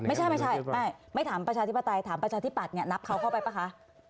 ไม่ใช่ไม่ใช่ไม่ถามประชาธิปไตยถามประชาธิปัตยเนี่ยนับเขาเข้าไปป่ะคะ